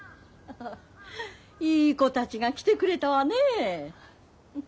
いい子たちが来てくれたわねえ。